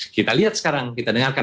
kita lihat sekarang kita dengarkan